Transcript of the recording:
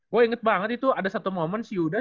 gue inget banget itu ada satu momen yuda